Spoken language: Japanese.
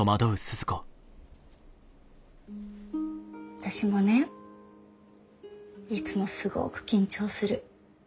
私もねいつもすごく緊張する。